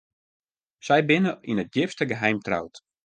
Sy binne yn it djipste geheim troud.